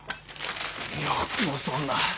よくもそんな。